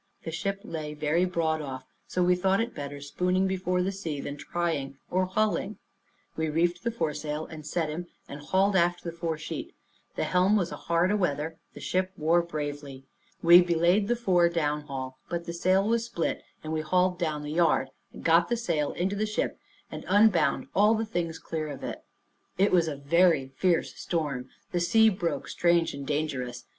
The ship lay very broad off, so we thought it better spooning before the sea, than trying or hulling. We reefed the foresail and set him, and hauled aft the foresheet; the helm was hard a weather. The ship wore bravely. We belayed the fore downhaul; but the sail was split, and we hauled down the yard, and got the sail into the ship, and unbound all the things clear of it. It was a very fierce storm; the sea broke strange and dangerous.